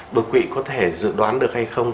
đột quỵ có thể dự đoán được hay không